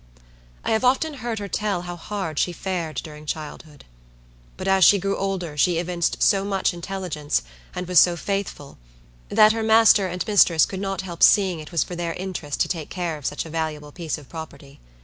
I have often heard her tell how hard she fared during childhood. But as she grew older she evinced so much intelligence, and was so faithful, that her master and mistress could not help seeing it was for their interest to take care of such a valuable piece of property.